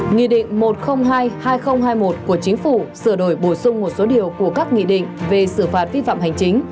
nghị định một trăm linh hai hai nghìn hai mươi một của chính phủ sửa đổi bổ sung một số điều của các nghị định về xử phạt vi phạm hành chính